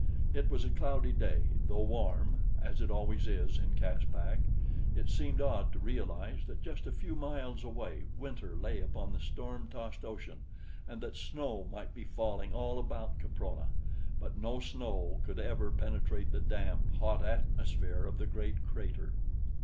It was a cloudy day, though warm, as it always is in Caspak. It seemed odd to realize that just a few miles away winter lay upon the storm tossed ocean, and that snow might be falling all about Caprona; but no snow could ever penetrate the damp, hot atmosphere of the great crater.